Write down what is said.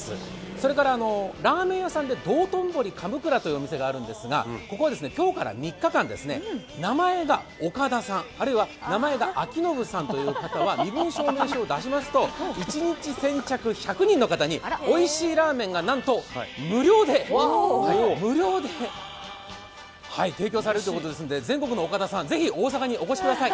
それからラーメン屋さんでどうとんぼり神座というのがあるんだそうですがここは今日から３日間、名前が「おかだ」さん、あるいは名前が「あきのぶ」さんという方は身分証明書を出しますと１日先着１００人の方においしいラーメンがなんと無料で提供されるということですので全国の「おかだ」さん、ぜひ大阪にお越しください。